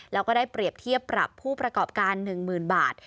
แล้วก็ได้เปรียบเทียบปรับผู้ประกอบการ๑๐๐๐บาท